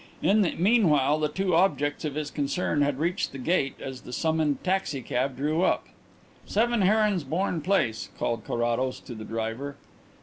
In the meanwhile the two objects of his concern had reached the gate as the summoned taxicab drew up. "Seven Heronsbourne Place," called Carrados to the driver.